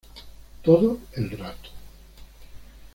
Todo el rato.